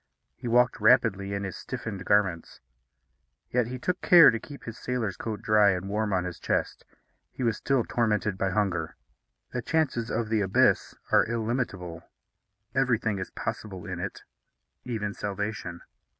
He walked rapidly in his stiffened garments; yet he took care to keep his sailor's coat dry and warm on his chest. He was still tormented by hunger. The chances of the abyss are illimitable. Everything is possible in it, even salvation.